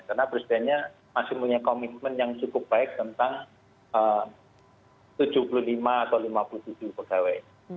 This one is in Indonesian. karena presidennya masih punya komitmen yang cukup baik tentang tujuh puluh lima atau lima puluh tujuh pegawai